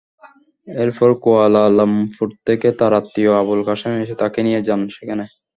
এরপর কুয়ালালামপুর থেকে তাঁর আত্মীয় আবুল কাশেম এসে তাঁকে নিয়ে যান সেখানে।